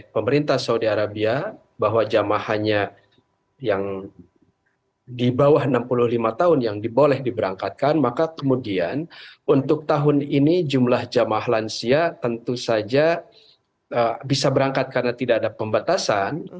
pemerintah saudi arabia bahwa jamaahnya yang di bawah enam puluh lima tahun yang diboleh diberangkatkan maka kemudian untuk tahun ini jumlah jamaah lansia tentu saja bisa berangkat karena tidak ada pembatasan